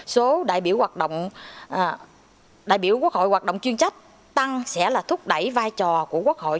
số đại biểu quốc hội hoạt động chuyên trách tăng sẽ là thúc đẩy vai trò của quốc hội